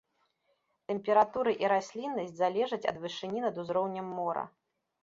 Тэмпературы і расліннасць залежаць ад вышыні над узроўнем мора.